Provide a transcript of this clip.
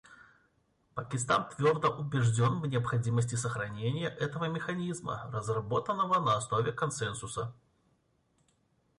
Пакистан твердо убежден в необходимости сохранения этого механизма, разработанного на основе консенсуса.